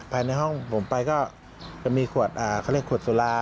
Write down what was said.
ภายในห้องผมไปก็จะมีขวดเขาเรียกขวดสุรา